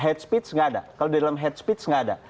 head speech tidak ada kalau di dalam head speech tidak ada